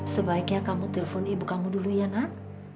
sebaiknya kamu telpon ibu kamu dulu ya nak